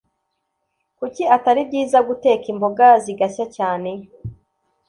kuki atari byiza guteka imboga zigashya cyane?